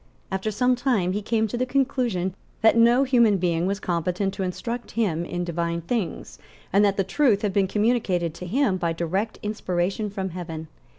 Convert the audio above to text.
After some time he came to the conclusion that no human being was competent to instruct him in divine things, and that the truth had been communicated to him by direct inspiration from heaven.